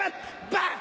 ・バン！